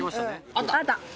あった！